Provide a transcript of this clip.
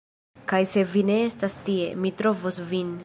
Kaj se vi ne estas tie, mi trovos vin